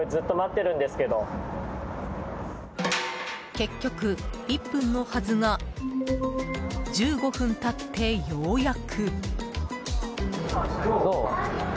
結局、１分のはずが１５分経って、ようやく。